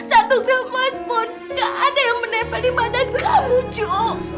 satu gram emas pun gak ada yang menepel di badan kamu ju